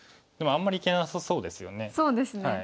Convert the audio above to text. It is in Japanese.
でもあんまりいけなさそうですよね。